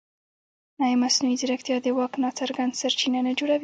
ایا مصنوعي ځیرکتیا د واک ناڅرګند سرچینه نه جوړوي؟